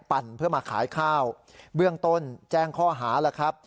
เพื่อมาขายข้าวเบื้องต้นแจ้งข้อหาแล้วครับ